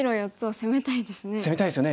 攻めたいですよね。